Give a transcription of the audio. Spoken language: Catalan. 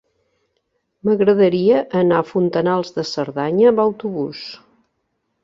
M'agradaria anar a Fontanals de Cerdanya amb autobús.